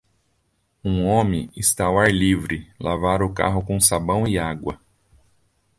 Um homem está ao ar livre, lavar o carro com sabão e água.